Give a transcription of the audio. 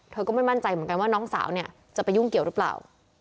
ก็ไม่มั่นใจเหมือนกันว่าน้องสาวเนี่ยจะไปยุ่งเกี่ยวหรือเปล่า